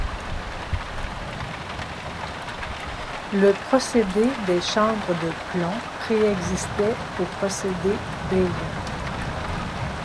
Le procédé des chambres de plomb préexistait au procédé Bayer.